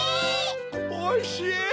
おいしい！